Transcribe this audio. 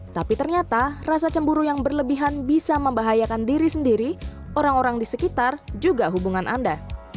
tapi ternyata rasa cemburu yang berlebihan bisa membahayakan diri sendiri orang orang di sekitar juga hubungan anda